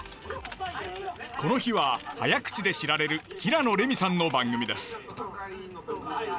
この日は早口で知られる平野レミさんの番組です。